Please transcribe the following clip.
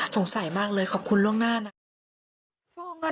สงสัยมากเลยขอบคุณล่วงหน้านะคะ